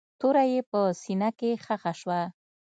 توره يې په سينه کښې ښخه شوه.